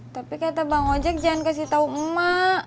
tapi kata bang ojak jangan kasih tau mak